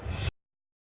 terima kasih pak jin